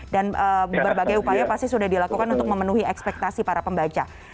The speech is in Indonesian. dan berbagai upaya pasti sudah dilakukan untuk memenuhi ekspektasi para pembaca